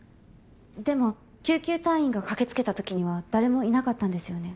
でも救急隊員が駆けつけた時には誰もいなかったんですよね？